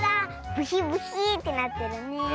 ブヒブヒーってなってるね。